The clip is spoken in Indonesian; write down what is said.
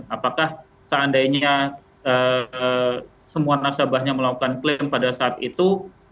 apakah seandainya semua nasabahnya melakukan klaim pada saat itu